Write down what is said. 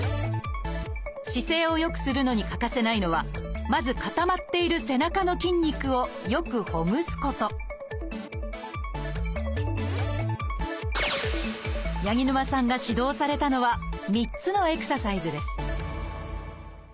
姿勢をよくするのに欠かせないのはまず固まっている背中の筋肉をよくほぐすこと八木沼さんが指導されたのは３つのエクササイズです